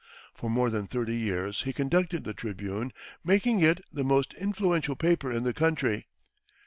For more than thirty years he conducted the "Tribune," making it the most influential paper in the country.